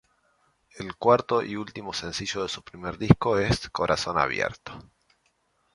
El cuarto y último sencillo de su primer disco es Corazón Abierto.